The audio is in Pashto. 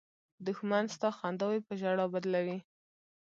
دښمن ستا خنداوې په ژړا بدلوي